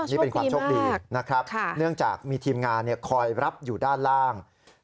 นี่เป็นความโชคดีนะครับเนื่องจากมีทีมงานคอยรับอยู่ด้านล่าง